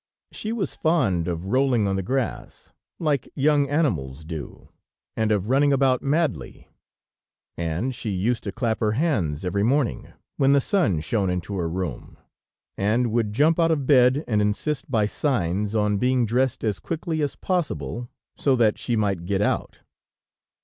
"She was fond of rolling on the grass, like young animals do, and of running about madly, and she used to clap her hands every morning, when the sun shone into her room, and would jump out of bed and insist by signs, on being dressed as quickly as possible, so that she might get out.